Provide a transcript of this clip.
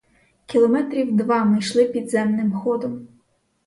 Кілометрів два ми йшли підземним ходом.